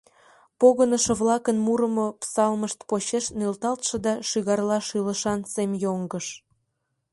Погынышо-влакын мурымо псалмышт почеш нӧлталтше да шӱгарла шӱлышан сем йоҥгыш.